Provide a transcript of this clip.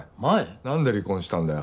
なんで離婚したんだよ？